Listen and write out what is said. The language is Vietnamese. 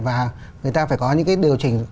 và người ta phải có những điều chỉnh